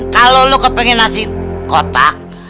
kalo lu kepengen nasi kotak